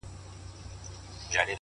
صبر چي تا د ژوند; د هر اړخ استاده کړمه;